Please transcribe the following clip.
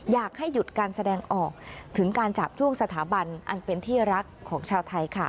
อยากให้หยุดการแสดงออกถึงการจาบจ้วงสถาบันอันเป็นที่รักของชาวไทยค่ะ